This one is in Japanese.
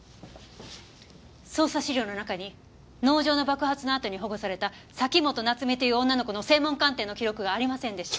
捜査資料の中に農場の爆発のあとに保護された崎本菜津美という女の子の声紋鑑定の記録がありませんでした。